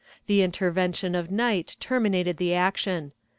The intervention of night terminated the action.